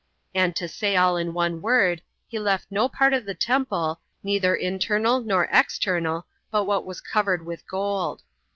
And, to say all in one word, he left no part of the temple, neither internal nor external, but what was covered with gold.